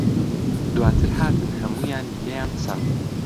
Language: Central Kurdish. دواتر هاتن هەموویانی لێیان سەند.